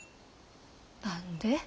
何で？